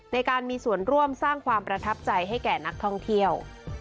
ในการมีส่วนร่วมสร้างความประทับใจให้แก่นักท่องเที่ยว